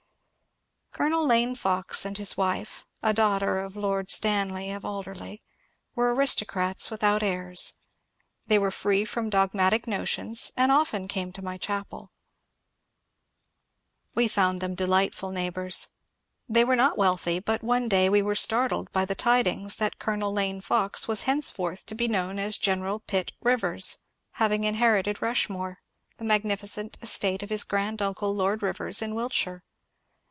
Colonel Lane Fox and his wife (a daughter of Lord Stan ley of Alderley) were aristocrats without airs. They were free from dogmatic notions and often came to my chapeL We 334 MONCURE DANIEL CONWAY found them delightful neighbours. They were not wealthy, but one day we were startled by the tidings that Colonel Lane Fox was henceforth to be known as General Pitt Rivers, hay ing inherited Rushmore, the magnificent estate of his g^rand uncle Lord Rivers in Wiltshire.